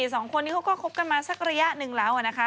สองคนนี้เขาก็คบกันมาสักระยะหนึ่งแล้วนะคะ